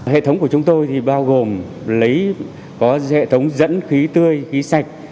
hệ thống của chúng tôi bao gồm có hệ thống dẫn khí tươi khí sạch